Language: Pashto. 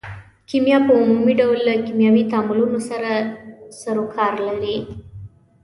کیمیا په عمومي ډول له کیمیاوي تعاملونو سره سرو کار لري.